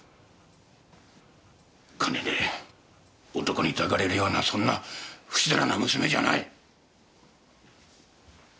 金で男に抱かれるようなそんなふしだらな娘じゃない！